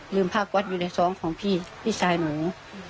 ภาควัดอยู่ในสองของพี่พี่ชายหนู